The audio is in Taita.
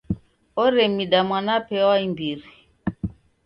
Oremida mwanape wa imbiri.